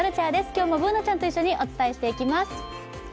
今日もＢｏｏｎａちゃんと一緒にお伝えしていきます。